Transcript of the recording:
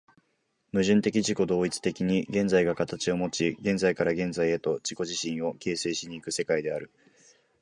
矛盾的自己同一的に現在が形をもち、現在から現在へと自己自身を形成し行く世界である。